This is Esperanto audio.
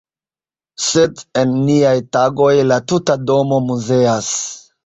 Sed en niaj tagoj la tuta domo muzeas.